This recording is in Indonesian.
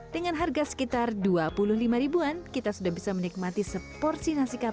dengan harga sekitar dua puluh lima ribuan kita sudah bisa menikmati seporsi nasi kapur